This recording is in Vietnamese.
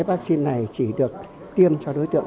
vaccine này chỉ được tiêm cho đối tượng